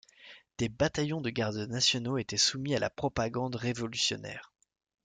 Des bataillons de gardes nationaux étaient soumis à la propagande révolutionnaire.